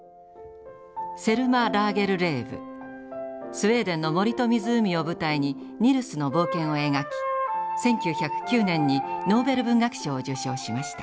スウェーデンの森と湖を舞台にニルスの冒険を描き１９０９年にノーベル文学賞を受賞しました。